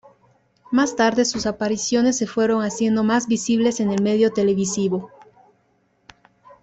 Más tarde sus apariciones se fueron haciendo más visibles en el medio televisivo.